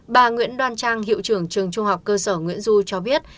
bà nguyễn đoan trang hiệu trưởng trường trung học cơ sở nguyễn du cho biết